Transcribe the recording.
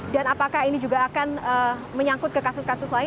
dan apakah ini juga akan menyangkut ke kasus kasus lain